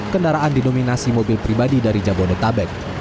kendaraan didominasi mobil pribadi dari jabodetabek